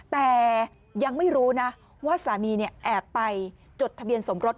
แต่ยังไม่รู้นะว่าสามีแอบไปจดทะเบียนสมรส